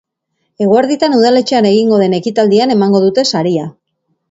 Eguerdian udaletxean egingo den ekitaldian emango dute saria.